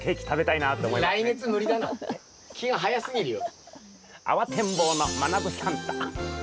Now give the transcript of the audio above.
気が早すぎるよ。